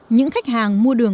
những khách hàng mua đường